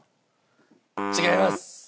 違います。